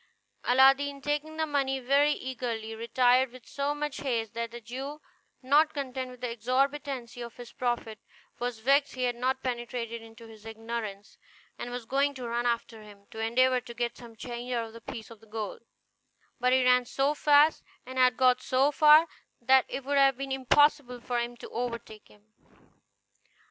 Aladdin, taking the money very eagerly, retired with so much haste that the Jew, not content with the exorbitancy of his profit, was vexed he had not penetrated into his ignorance, and was going to run after him, to endeavor to get some change out of the piece of gold; but he ran so fast, and had got so far, that it would have been impossible for him to overtake him.